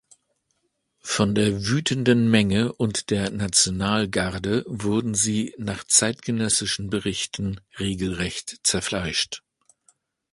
Von der wütenden Menge und der Nationalgarde wurden sie nach zeitgenössischen Berichten regelrecht zerfleischt.